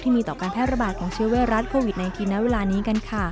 มีต่อการแพร่ระบาดของเชื้อไวรัสโควิด๑๙ณเวลานี้กันค่ะ